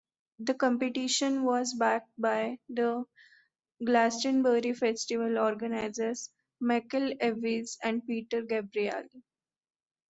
The competition was backed by the Glastonbury Festival organiser Michael Eavis and Peter Gabriel.